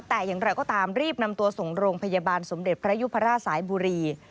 แต่อย่างไรก็ตามรีบนำตัวส่งโรงพยาบาลสมเด็จพระยุพราชสายบุรี